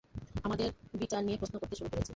আমাদের বিচার নিয়ে প্রশ্ন করতে শুরু করেছি!